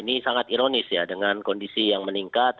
ini sangat ironis ya dengan kondisi yang meningkat